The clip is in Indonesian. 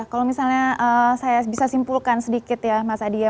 kalau misalnya saya bisa simpulkan sedikit ya mas aditya